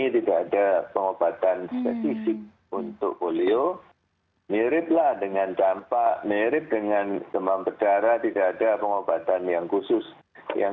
tidak ada yang spesifik satunya yang